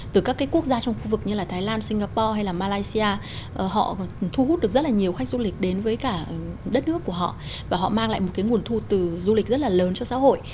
từ các cái quốc gia trong khu vực như là thái lan singapore hay là malaysia họ thu hút được rất là nhiều khách du lịch đến với cả đất nước của họ và họ mang lại một cái nguồn thu từ du lịch rất là lớn cho xã hội